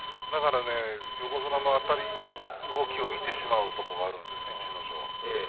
横綱のあたり、動きを見てしまうところがあるんですね、逸ノ城。